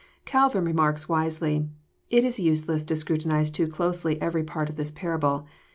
Calvin remarks wisely :" It is useless to scrutinize too closely every part of this parable.